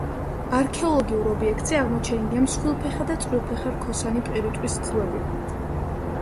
არქეოლოგიურ ობიექტზე აღმოჩენილია მსხვილფეხა და წვრილფეხა რქოსანი პირუტყვის ძვლები.